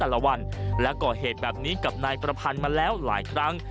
ละวันและก่อเหตุแบบนี้กับนายประพันธ์มาแล้วหลายครั้ง